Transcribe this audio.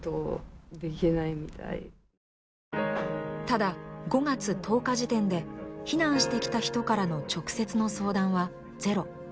ただ５月１０日時点で避難してきた人からの直接の相談はゼロ。